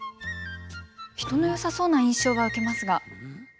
人のよさそうな印象は受けますが。